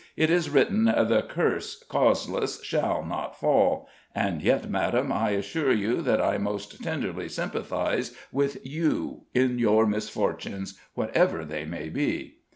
It is written, 'The curse, causeless, shall not fall.' And yet, madame, I assure you that I most tenderly sympathize with you in your misfortunes, whatever they may be."